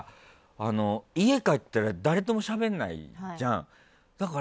家帰ったら誰ともしゃべらないじゃん。